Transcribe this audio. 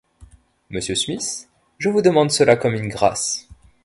Monsieur Smith, je vous demande cela comme une grâce